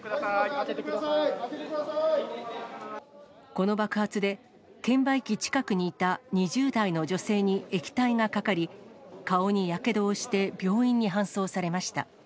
開けてくだこの爆発で、券売機近くにいた２０代の女性に液体がかかり、顔にやけどをして病院に搬送されました。